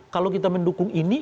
kalau kita mendukung ini